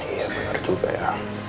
iya bener juga ya